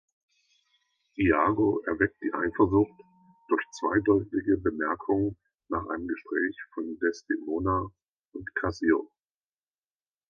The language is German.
Iago erweckt die Eifersucht durch zweideutige Bemerkungen nach einem Gespräch von Desdemona und Cassio.